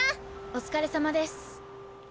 お疲れさまです。